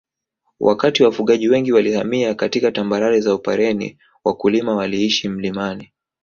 Wakati wafugaji wengi walihamia katika tambarare za Upareni wakulima waliishi milimani